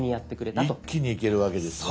一気にいけるわけですね。